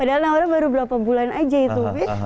padahal nawarnya baru berapa bulan aja itu